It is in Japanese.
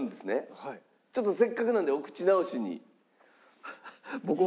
ちょっとせっかくなのでお口直しに。